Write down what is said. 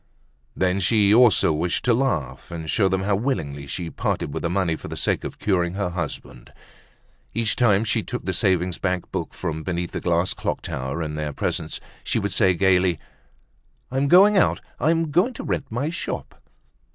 Then she also wished to laugh, and show them how willingly she parted with the money for the sake of curing her husband. Each time she took the savings bank book from beneath the glass clock tower in their presence, she would say gaily: "I'm going out; I'm going to rent my shop."